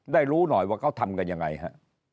รู้หน่อยว่าเขาทำกันยังไงฮะ